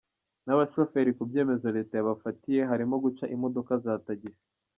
n’abashoferi ku byemezo leta yabafatiye harimo guca imodoka za tagisi